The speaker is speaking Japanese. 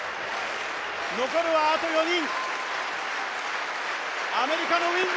残るは、あと４人。